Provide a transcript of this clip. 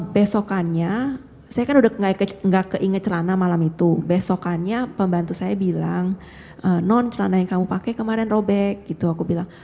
besokannya saya kan udah gak keinget celana malam itu besokannya pembantu saya bilang non celana yang kamu pakai kemarin robek gitu aku bilang